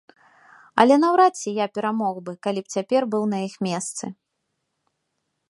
Але наўрад ці я перамог бы, калі б цяпер быў на іх месцы.